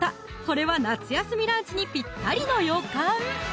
これは夏休みランチにぴったりの予感！